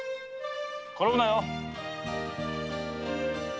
転ぶなよ！